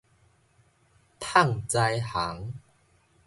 麭材行